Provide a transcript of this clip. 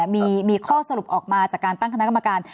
มีข้อสรุปออกมาจากการตั้งคณะกรรมการ